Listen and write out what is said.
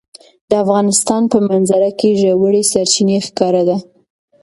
د افغانستان په منظره کې ژورې سرچینې ښکاره ده.